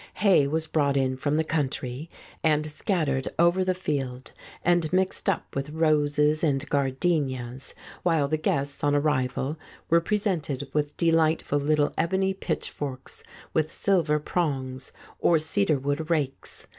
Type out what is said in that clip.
Hay was brought in from the country and scattered over the field, and mixed up with roses and gardenias, while the guests on arrival were presented with delightful little ebony pitchforks with silver prongs, or cedar wood rakes.